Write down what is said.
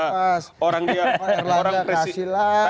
pak erlangga kasih lah